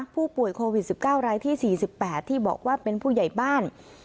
ผู้ป่วยโควิด๑๙รายที่๔๘ที่บอกว่าเป็นผู้ใหญ่บ้าน